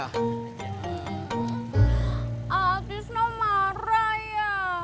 a'atisna marah ya